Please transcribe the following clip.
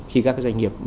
khi các cái doanh nghiệp